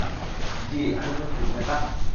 জ্বি, আমি প্রস্তুত, নেতা!